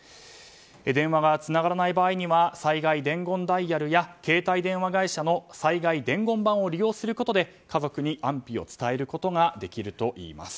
電話がつながらない場合には災害伝言ダイヤルや携帯電話会社の災害伝言版を利用することで、家族に安否を伝えることができるといいます。